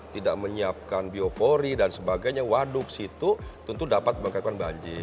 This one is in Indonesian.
tidak menyiapkan biopori dan sebagainya waduk situ tentu dapat mengangkatkan banjir